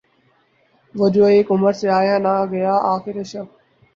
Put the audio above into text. وہ جو اک عمر سے آیا نہ گیا آخر شب